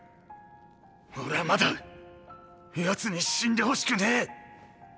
俺はまだ奴に死んでほしくねぇ！